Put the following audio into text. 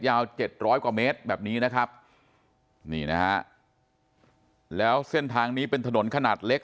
๗๐๐กว่าเมตรแบบนี้นะครับนี่นะฮะแล้วเส้นทางนี้เป็นถนนขนาดเล็ก